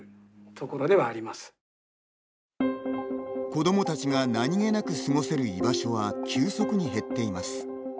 子どもたちが何気なく過ごせる居場所は急速に減っています。